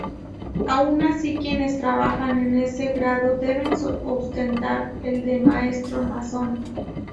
Aun así, quienes trabajan en ese grado, deben ostentar el de Maestro masón.